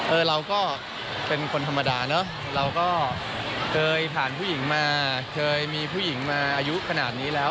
เราก็เป็นคนธรรมดาเนอะเราก็เคยผ่านผู้หญิงมาเคยมีผู้หญิงมาอายุขนาดนี้แล้ว